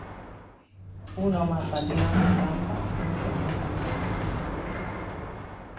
Un home patina a una rampa sense sabates.